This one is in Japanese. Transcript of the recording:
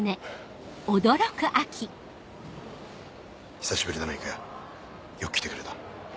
久しぶりだな育哉よく来てくれた。